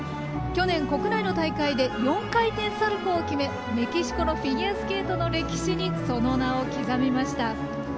去年、国内の大会で４回転サルコーを決めメキシコのフィギュアスケートの歴史に、その名を刻みました。